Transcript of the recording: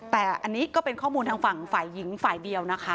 แต่อันนี้ก็เป็นข้อมูลทางฝั่งฝ่ายหญิงฝ่ายเดียวนะคะ